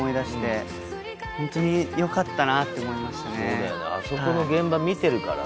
そうだよねあそこの現場見てるからね。